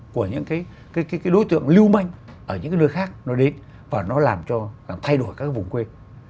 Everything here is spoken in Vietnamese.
của những cái đối tượng lưu manh ở những cái nơi khác nó đến và nó làm cho thay đổi các vùng quê